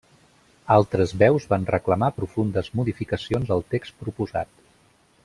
Altres veus van reclamar profundes modificacions al text proposat.